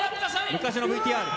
昔のＶＴＲ。